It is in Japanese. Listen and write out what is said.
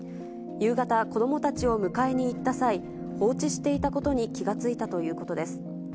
夕方、子どもたちを迎えに行った際、放置していたことに気が付いたということです。